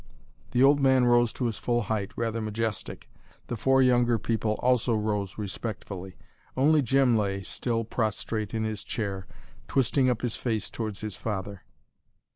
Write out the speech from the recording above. The old man rose to his full height, rather majestic. The four younger people also rose respectfully only Jim lay still prostrate in his chair, twisting up his face towards his father.